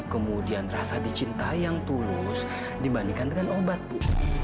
kemudian rasa dicinta yang tulus dibandingkan dengan obat bu